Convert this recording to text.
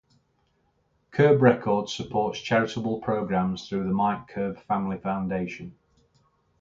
Curb Records supports charitable programs through the Mike Curb Family Foundation.